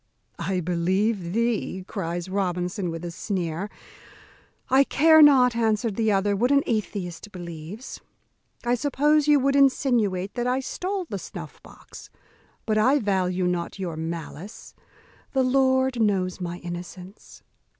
"I believe thee," cries Robinson, with a sneer. "I care not," answered the other, "what an atheist believes. I suppose you would insinuate that I stole the snuff box; but I value not your malice; the Lord knows my innocence."